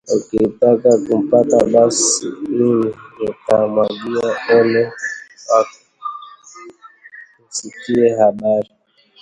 ukitaka kupaka basi mimi nitamwagia ole wako nisikie habari